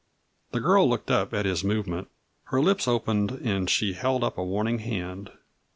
The girl looked up at his movement. Her lips opened and she held up a warning hand.